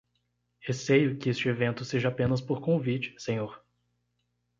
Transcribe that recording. Receio que este evento seja apenas por convite, senhor.